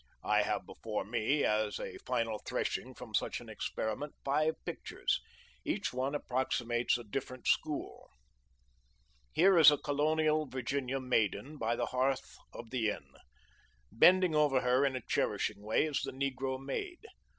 I have before me, as a final threshing from such an experiment, five pictures. Each one approximates a different school. Here is a colonial Virginia maiden by the hearth of the inn. Bending over her in a cherishing way is the negro maid.